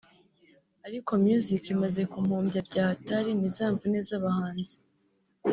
ariko music imaze kumpombya bya hatari ni za mvune z’abahanzi